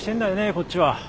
こっちは。